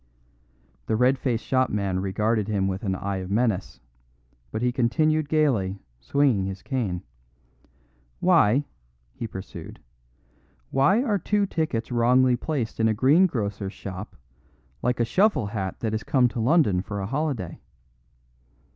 The red faced shopman regarded him with an eye of menace; but he continued gaily, swinging his cane, "Why," he pursued, "why are two tickets wrongly placed in a greengrocer's shop like a shovel hat that has come to London for a holiday?